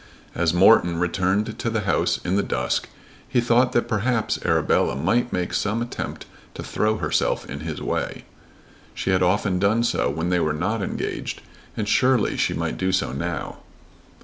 As Morton returned to the house in the dusk he thought that perhaps Arabella might make some attempt to throw herself in his way. She had often done so when they were not engaged, and surely she might do so now.